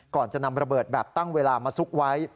ก่อนจะนำระเบิดแบบตั้งเวลามาซุกไว้